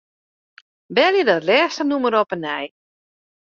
Belje dat lêste nûmer op 'e nij.